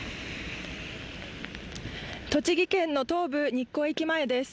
栃木県の東武日光駅前です。